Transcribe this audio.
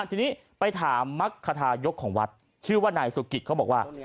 ทีนี้ไปถามมรรคทายกของวัดชื่อว่านายสุกิตเขาบอกว่า